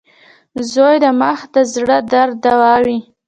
• زوی د مور د زړۀ درد دوا وي.